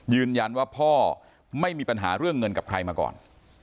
ยืนยันว่าพ่อไม่มีปัญหาเรื่องเงินกับใครมาก่อน